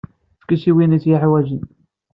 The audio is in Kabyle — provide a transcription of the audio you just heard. Efk-it i win ay t-yeḥwajen.